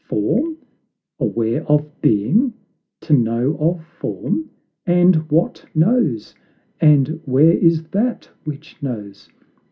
Form? Aware of being? To know of form? And what knows? And where is that which knows?